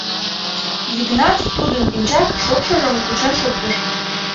Йыгнат тудын пинчак шокшыжым кучен шуктыш.